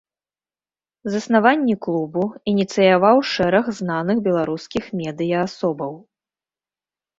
Заснаванне клубу ініцыяваў шэраг знаных беларускіх медыя-асобаў.